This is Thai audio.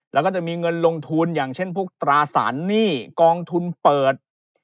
แล้วก็จะมีเงินลงทุนอย่างเช่นพวกตราสารหนี้กองทุนเปิด